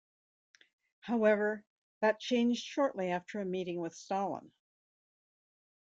However, that changed shortly after a meeting with Stalin.